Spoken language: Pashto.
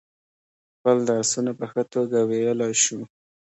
خپل درسونه په ښه توگه ویلای شو.